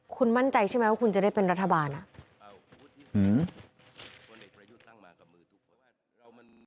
คุณมั่นใจใช่ไหมว่าคุณจะได้เป็นรัฐบาล